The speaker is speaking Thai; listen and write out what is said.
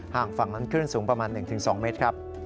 ฝั่งฝั่งนั้นคลื่นสูงประมาณ๑๒เมตรครับ